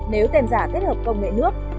nếu tem giả kết hợp công nghệ nước